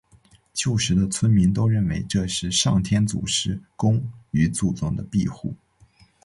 旧时的村民都认为这是上天祖师公与祖宗的庇护。